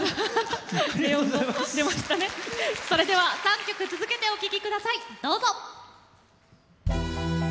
それでは３曲続けてお聴きください。